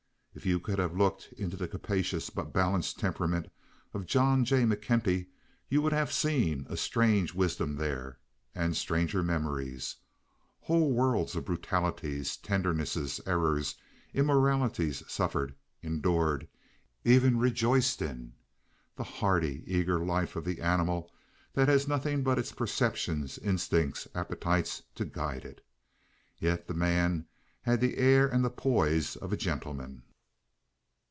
If you could have looked into the capacious but balanced temperament of John J. McKenty you would have seen a strange wisdom there and stranger memories—whole worlds of brutalities, tendernesses, errors, immoralities suffered, endured, even rejoiced in—the hardy, eager life of the animal that has nothing but its perceptions, instincts, appetites to guide it. Yet the man had the air and the poise of a gentleman.